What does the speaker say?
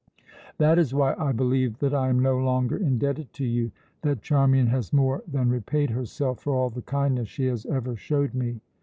That is why I believe that I am no longer indebted to you, that Charmian has more than repaid herself for all the kindness she has ever showed me."